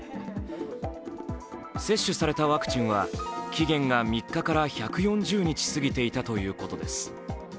接種されたワクチンは、期限が３日から１４０日過ぎていたということです。